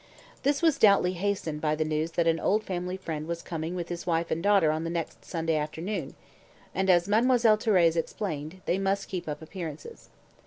This was doubtless hastened by the news that an old family friend was coming with his wife and daughter on the next Sunday afternoon, and, as Mademoiselle Thérèse explained, they must keep up appearances.